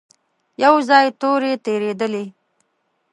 يو ځای تورې تېرېدلې.